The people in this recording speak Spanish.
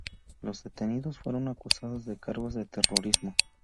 Los detenidos fueron acusados de cargos de terrorismo.